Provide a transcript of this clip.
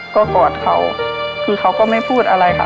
ก็กอดเขาคือเขาก็ไม่พูดอะไรค่ะ